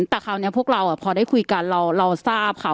แต่คราวนี้พวกเราพอได้คุยกันเราทราบค่ะ